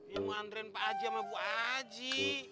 ini mandrin pak haji sama bu haji